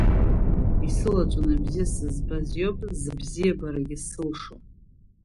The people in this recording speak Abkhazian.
Исылаҵәаны бзиа сызбаз иоуп збзиабарагьы сылшо.